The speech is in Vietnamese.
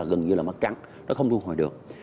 gần như là mất trắng nó không thu hồi được